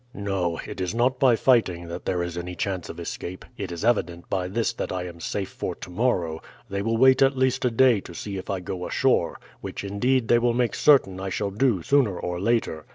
No, it is not by fighting that there is any chance of escape. It is evident by this that I am safe for tomorrow; they will wait at least a day to see if I go ashore, which indeed they will make certain I shall do sooner or later.